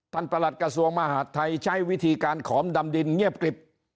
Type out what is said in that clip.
ประหลัดกระทรวงมหาดไทยใช้วิธีการขอมดำดินเงียบกริบ